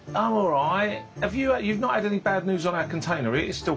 はい。